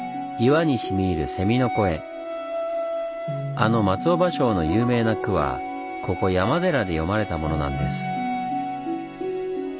あの松尾芭蕉の有名な句はここ山寺で詠まれたものなんです。